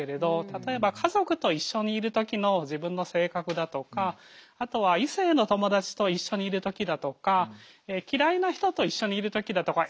例えば家族と一緒にいる時の自分の性格だとかあとは異性の友達と一緒にいる時だとか嫌いな人と一緒にいる時だとか。